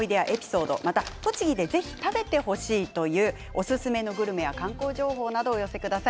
栃木で、ぜひ食べてほしいというおすすめのグルメや観光情報などお寄せください。